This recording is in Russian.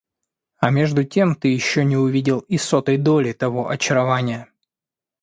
А между тем ты еще не увидел и сотой доли того очарования